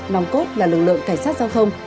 nong cốt là lực lượng cảnh sát giao thông